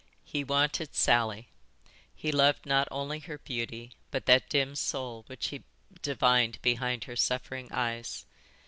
He wanted Sally. He loved not only her beauty, but that dim soul which he divined behind her suffering eyes.